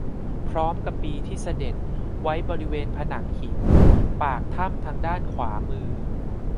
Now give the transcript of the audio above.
พร้อมกับปีที่เสด็จไว้บริเวณผนังหินปากถ้ำทางด้านขวามือ